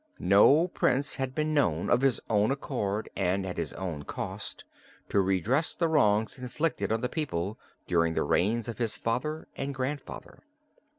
No prince had been known, of his own accord and at his own cost, to redress the wrongs inflicted on the people during the reigns of his father and grandfather.